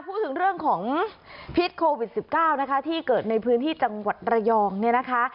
พูดถึงเรื่องของพิษโควิด๑๙นะคะที่เกิดในพื้นที่จังหวัดระยองเนี่ยนะคะ